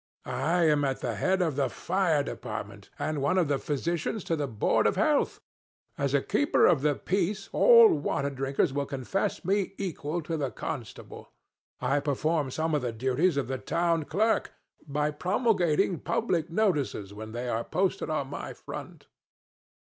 I am at the head of the fire department and one of the physicians to the board of health. As a keeper of the peace all water drinkers will confess me equal to the constable. I perform some of the duties of the town clerk by promulgating public notices when they are posted on my front.